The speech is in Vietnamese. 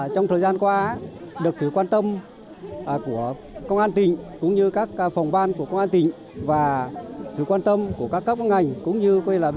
trong thời gian qua được sự quan tâm của công an tỉnh cũng như các phòng ban của công an tỉnh và sự quan tâm của các cấp ngành cũng như